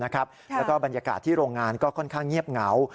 แล้วก็บรรยากาศที่โรงงานก็ค่อนข้างเงียบเหงา